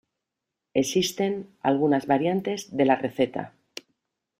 Existen algunas variantes de la receta.